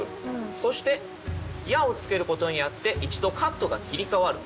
そして「や」をつけることによって一度カットが切り替わる。